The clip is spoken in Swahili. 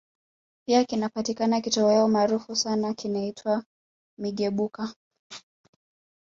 Pia kinapatikana kitoweo maarufu sana kinaitwa Migebuka